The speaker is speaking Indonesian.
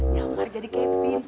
nyamar jadi kevin